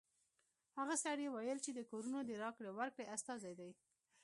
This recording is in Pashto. هغه سړي ویل چې د کورونو د راکړې ورکړې استازی دی